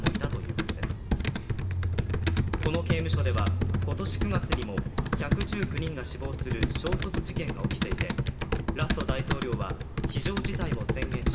この刑務所では今年９月にも１１９人が死亡する衝突事件が起きていて、ラッソ大統領は非常事態を宣言し、